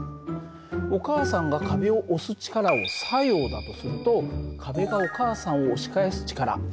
お母さんが壁を押す力を作用だとすると壁がお母さんを押し返す力これが反作用なんだ。